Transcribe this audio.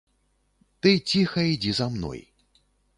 Ты ціха ідзі за мной.